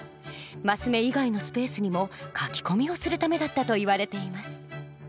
マス目以外のスペースにも書き込みをするためだったといわれています。